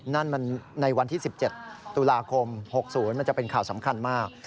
นั่นมันในวันที่๑๗ตุลาคม๖๐มันจะเป็นข่าวสำคัญมาก